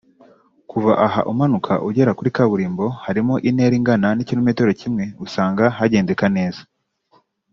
Kuva aha umanuka ugera kuri kaburimbo (harimo intera ingana n’ikilometero kimwe) usanga hagendeka neza